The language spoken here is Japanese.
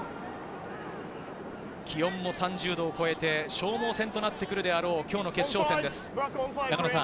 気温も３０度を超えて、消耗戦となってくるであろう、今日の決勝戦です。